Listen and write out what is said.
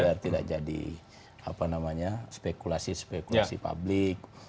biar tidak jadi spekulasi spekulasi publik